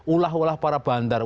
ulah ulah para bandar